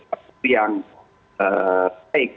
itu yang baik